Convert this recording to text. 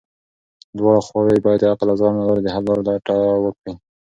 دواړه خواوې بايد د عقل او زغم له لارې د حل لارو لټه وکړي.